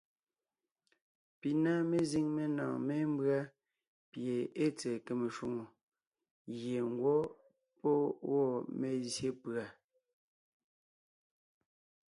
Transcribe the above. Pi na mezíŋ menɔ̀ɔn mémbʉ́a pie ée tsɛ̀ɛ kème shwòŋo gie ńgwɔ́ pɔ́ wɔ́ mezsyé pùa.